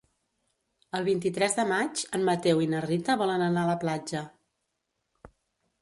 El vint-i-tres de maig en Mateu i na Rita volen anar a la platja.